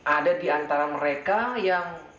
ada di antara mereka yang